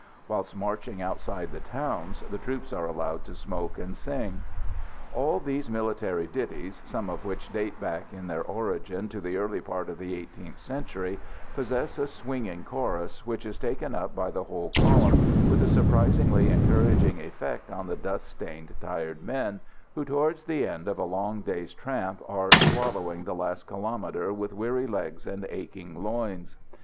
Whilst marching outside the towns the troops are allowed to smoke and sing. All these military ditties, some of which date back in their origin to the early part of the eighteenth century, possess a swinging chorus, which is taken up by the whole column, with a surprisingly encouraging effect on the dust stained, tired men, who, towards the end of a long day's tramp, are "swallowing the last kilomètre" with weary legs and aching loins.